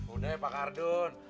udah ya pak ardun